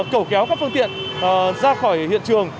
cẩu kéo các phương tiện ra khỏi hiện trường